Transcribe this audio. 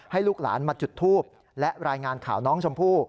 ลูกหลานมาจุดทูปและรายงานข่าวน้องชมพู่